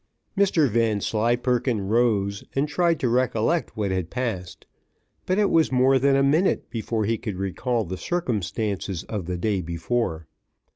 Mr Vanslyperken rose, and tried to recollect what had passed; but it was more than a minute before he could recall the circumstances of the day before.